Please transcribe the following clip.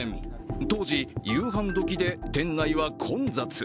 当時、夕飯時で店内は混雑。